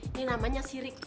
ini namanya sirik